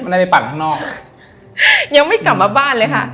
ได้ไปปั่นข้างนอกยังไม่กลับมาบ้านเลยค่ะ